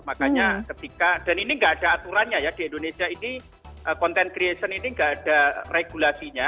makanya ketika dan ini nggak ada aturannya ya di indonesia ini content creation ini nggak ada regulasinya